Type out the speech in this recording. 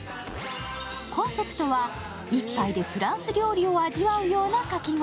コンセプトは、一杯でフランス料理を味わうようなかき氷。